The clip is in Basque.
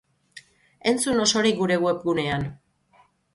Entzun osorik gure webgunean.